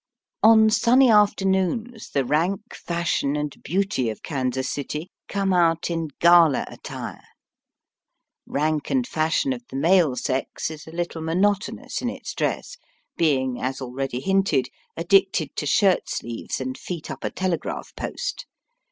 On sunny afternoons the rank, fashion, and beauty of Kansas City come out in gala attire. Kank and fashion of the male sex is a little monotonous in its dress, being, as already hinted, addicted to shirt sleeves and feet up a telegraph post.